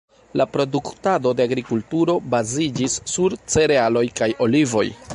La produktado de agrikulturo baziĝis sur cerealoj kaj olivoj.